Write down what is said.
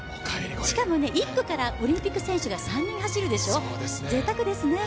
しかも１区からオリンピック選手が３人走るでしょう、ぜいたくですね。